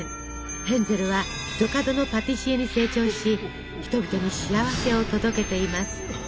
ヘンゼルはひとかどのパティシエに成長し人々に幸せを届けています。